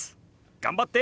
頑張って！